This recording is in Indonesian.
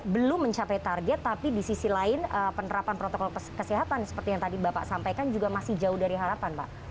belum mencapai target tapi di sisi lain penerapan protokol kesehatan seperti yang tadi bapak sampaikan juga masih jauh dari harapan pak